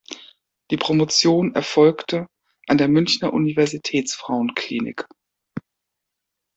Die Promotion erfolgte an der Münchner Universitätsfrauenklinik.